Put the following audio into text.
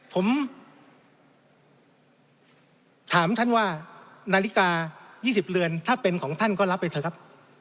ผมถามท่านว่านาฬิกา๒๐เรือนถ้าเป็นของท่านก็รับไปเถอะครับ